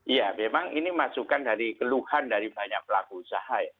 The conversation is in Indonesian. ya memang ini masukkan dari keluhan dari banyak pelaku usaha